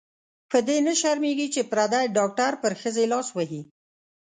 په دې نه شرمېږې چې پردې ډاکټر پر ښځې لاس وهي.